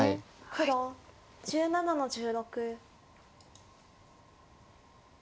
黒１７の十六。